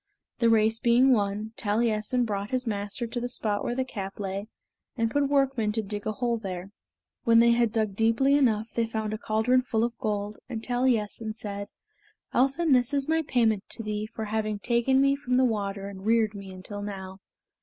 The race being won, Taliessin brought his master to the spot where the cap lay; and put workmen to dig a hole there. When they had dug deeply enough they found a caldron full of gold, and Taliessin said, "Elphin, this is my payment to thee for having taken me from the water and reared me until now."